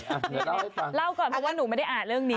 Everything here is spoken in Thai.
เดี๋ยวเล่าก่อนเพราะว่าหนูไม่ได้อ่านเรื่องนี้